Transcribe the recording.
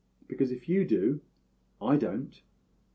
Because, if you do, I don't.